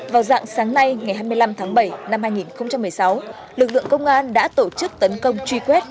vào dạng sáng nay ngày hai mươi năm tháng bảy năm hai nghìn một mươi sáu lực lượng công an đã tổ chức tấn công truy quét